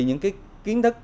những kiến thức